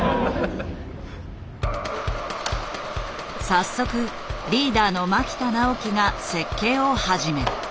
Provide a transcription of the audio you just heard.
早速リーダーの牧田直希が設計を始める。